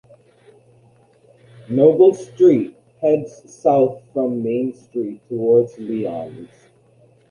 Noble Street heads south from Main Street toward Lyons.